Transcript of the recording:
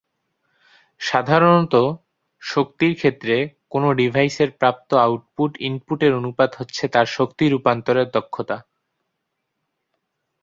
সাধারণত শক্তির ক্ষেত্রে, কোনো ডিভাইসের প্রাপ্ত আউটপুট ইনপুটের অনুপাত হচ্ছে তার শক্তি রূপান্তর দক্ষতা।